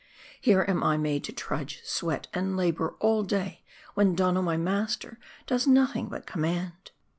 < Here am I made to trudge, sweat, and labor all day, when Donno my master does nothing but command.'